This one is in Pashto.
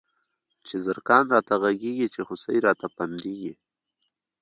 چی زرکان راته غږيږی، چی هوسۍ راته پنډيږی